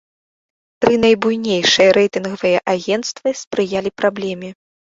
Тры найбуйнейшыя рэйтынгавыя агенцтвы спрыялі праблеме.